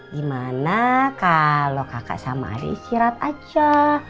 gimana kalau kakak sama adik istirahat aja